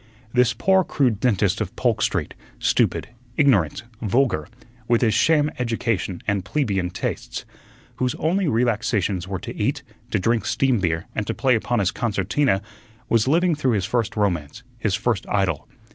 This poor crude dentist of Polk Street, stupid, ignorant, vulgar, with his sham education and plebeian tastes, whose only relaxations were to eat, to drink steam beer, and to play upon his concertina, was living through his first romance, his first idyl.